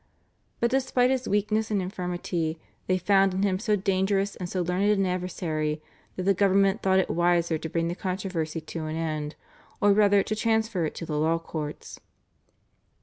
But despite his weakness and infirmity they found in him so dangerous and so learned an adversary that the government thought it wiser to bring the controversy to an end, or rather to transfer it to the law courts.